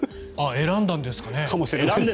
選んだんですかね？